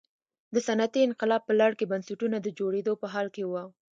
د صنعتي انقلاب په لړ کې بنسټونه د جوړېدو په حال کې وو.